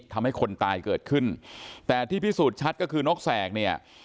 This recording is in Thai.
ทำให้คนตายเกิดขึ้นแต่ที่พิสูจน์ชัดก็คือนกแสกเนี่ย